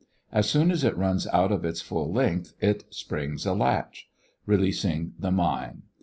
As soon as it runs out to its full length (4) it springs a latch, C, releasing the mine A.